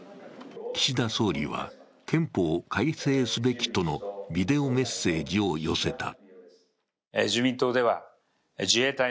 岸田総理は憲法を改正すべきとのビデオメッセージを寄せた。